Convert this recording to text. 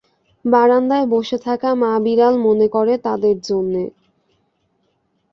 বারান্দায় বসে-থাকা মা- বিড়াল মনে করে তাদের জন্যে।